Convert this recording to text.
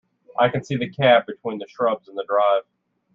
I can see the cab between the shrubs in the drive.